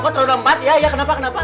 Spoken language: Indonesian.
terlalu lembat iya iya kenapa kenapa